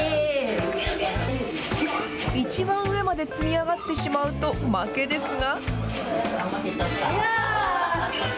一番上まで積み上がってしまうと負けですが。